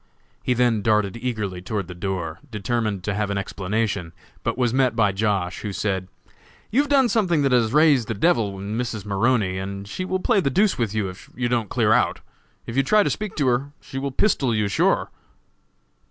He then darted eagerly toward the door, determined to have an explanation, but was met by Josh., who said: "You have done something that has raised the d l in Mrs. Maroney, and she will play the deuce with you if you don't clear out. If you try to speak to her, she will pistol you, sure!"